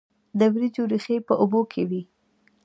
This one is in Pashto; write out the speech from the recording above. د وریجو ریښې په اوبو کې وي.